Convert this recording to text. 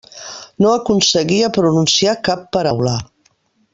No aconseguia pronunciar cap paraula.